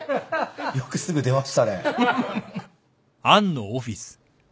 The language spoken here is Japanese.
よくすぐ出ましたね。